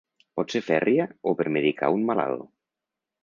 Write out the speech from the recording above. Pot ser fèrria o per medicar un malalt.